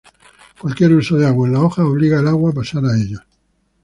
Cualquier uso de agua en las hojas obliga al agua a pasar a ellos.